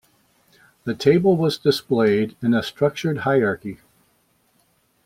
The table was displayed in a structured hierarchy.